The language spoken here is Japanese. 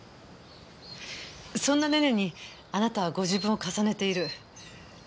そんなねねにあなたはご自分を重ねている。